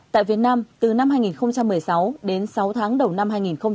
tại việt nam từ năm hai nghìn một mươi sáu đến sáu tháng đầu năm hai nghìn một mươi chín